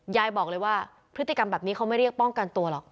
ยายบอกเลยว่าพฤติกรรมแบบนี้เขาไม่เรียกป้องกันตัวหรอก